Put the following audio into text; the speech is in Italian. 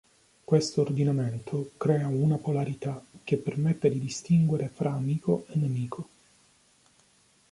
Questo ordinamento crea una polarità che permette di distinguere fra "amico" e "nemico".